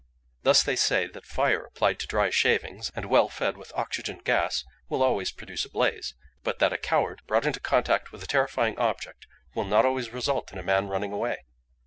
Thus, they say that fire applied to dry shavings, and well fed with oxygen gas, will always produce a blaze, but that a coward brought into contact with a terrifying object will not always result in a man running away.